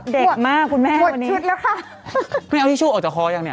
เด็กมากคุณแม่หมดชุดแล้วค่ะเพิ่งเอาทิชชูออกจากคออย่าง